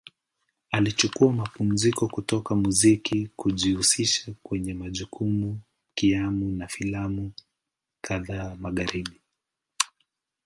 Alichukua mapumziko kutoka muziki na kujihusisha kwenye majukumu kaimu na filamu kadhaa Magharibi.